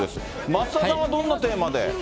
松田さんはどんなテーマで？